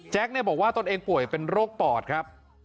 บอกว่าตนเองป่วยเป็นโรคปอดครับ